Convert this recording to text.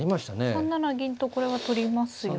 ３七銀とこれは取りますよね。